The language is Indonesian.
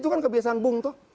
itu kan kebiasaan bung to